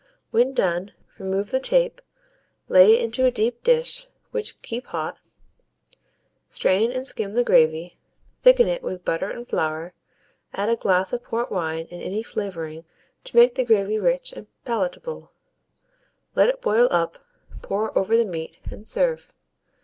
When done, remove the tape, lay it into a deep dish, which keep hot; strain and skim the gravy, thicken it with butter and flour, add a glass of port wine and any flavouring to make the gravy rich and palatable; let it boil up, pour over the meat, and serve.